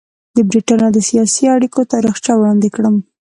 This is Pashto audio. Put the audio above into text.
د برټانیې د سیاسي اړیکو تاریخچه وړاندې کړم.